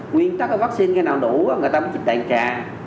nguyên tắc là vaccine khi nào đủ người ta mới chỉ đàn trà